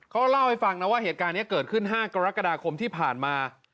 เขาเล่าให้ฟังนะว่าเหตุการณ์นี้เกิดขึ้น๕กรกฎาคมที่ผ่านมา